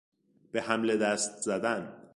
به حمله دست زدن